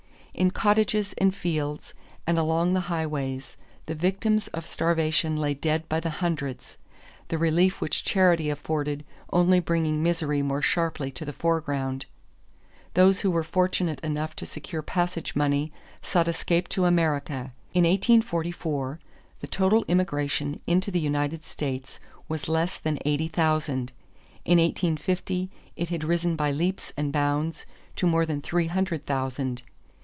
In cottages and fields and along the highways the victims of starvation lay dead by the hundreds, the relief which charity afforded only bringing misery more sharply to the foreground. Those who were fortunate enough to secure passage money sought escape to America. In 1844 the total immigration into the United States was less than eighty thousand; in 1850 it had risen by leaps and bounds to more than three hundred thousand.